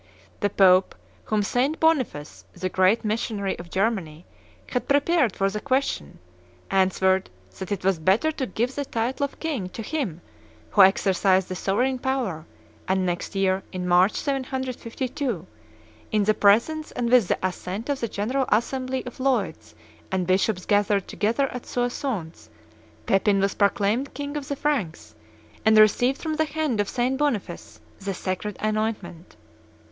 The Pope, whom St. Boniface, the great missionary of Germany, had prepared for the question, answered that "it was better to give the title of king to him who exercised the sovereign power;" and next year, in March, 752, in the presence and with the assent of the general assembly of "leudes" and bishops gathered together at Soissons, Pepin was proclaimed king of the Franks, and received from the hand of St. Boniface the sacred anointment.